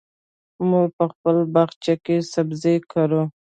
موږ په خپل باغچه کې سبزي کرو.